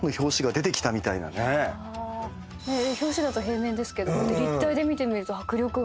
表紙だと平面ですけど立体で見てみると迫力が。